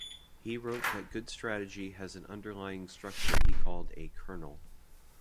He wrote that good strategy has an underlying structure he called a "kernel".